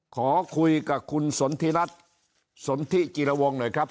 ขอคุยกับคุณสนทิรัฐสนทิจิรวงหน่อยครับ